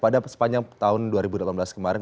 pada sepanjang tahun dua ribu delapan belas kemarin